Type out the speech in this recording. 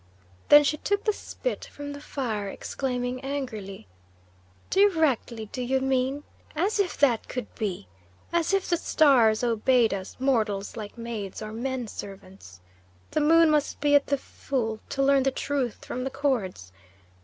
Then she took the spit from the fire, exclaiming angrily: "Directly, do you mean? As if that could be! As if the stars obeyed us mortals like maids or men servants! The moon must be at the full to learn the truth from the cords.